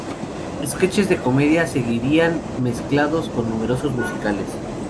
Sketches de comedia seguirían, mezclados con números musicales.